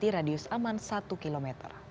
di radius aman satu km